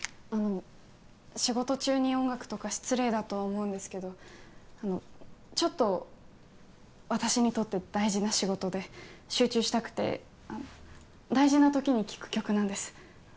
あの仕事中に音楽とか失礼だとは思うんですけどちょっと私にとって大事な仕事で集中したくて大事な時に聴く曲なんです